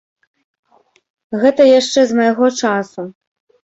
Гэта яшчэ з майго часу.